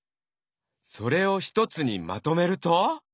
それを一つにまとめると？